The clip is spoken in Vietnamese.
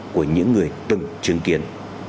của những người từng chứng kiến